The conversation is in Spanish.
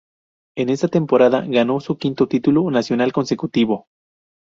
En esta temporada ganó su quinto título nacional consecutivo.